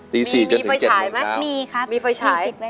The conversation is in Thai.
ตี๔จะถึง๗๑๙มีไฟฉาย